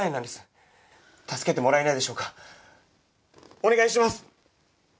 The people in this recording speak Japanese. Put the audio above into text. お願いします！